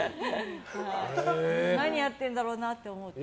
何やってるんだろうなと思って。